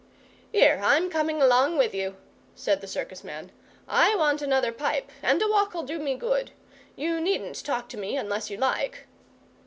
"Here, I'm coming along with you," said the circus man. "I want another pipe, and a walk'll do me good. You needn't talk to me unless you like."